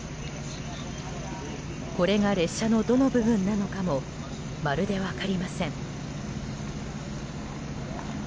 これが列車のどの部分なのかもまるで分かりません。